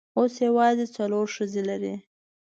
اوس یوازې څلور ښځې لري.